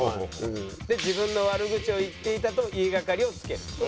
で自分の悪口を言っていたと言いがかりをつける。